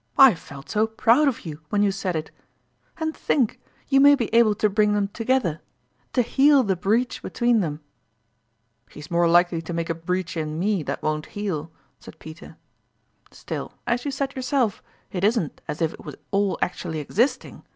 I felt so proud of you when you said it. And think, you may be able to bring them together to heal the breach between them !"" He's more likely to make a breach in me that won't heal !" said Peter. " Still, as you said yourself, it isn't as if it was all actually existing.